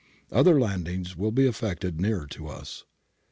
Other landings will be effected nearer to us.'